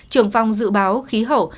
trưởng phòng dự báo khí hậu